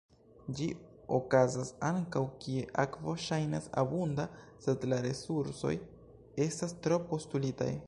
Ĝi okazas ankaŭ kie akvo ŝajnas abunda sed la resursoj estas tro-postulitaj.